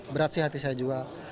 berat sih hati saya jual